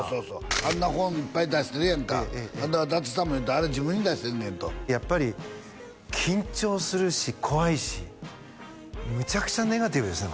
あんな本いっぱい出してるやんか伊達さんも言った「あれ自分に出してるねん」とやっぱり緊張するし怖いしむちゃくちゃネガティブですね